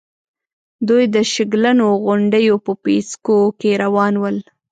دوی د شګلنو غونډېو په پيڅکو کې روان ول.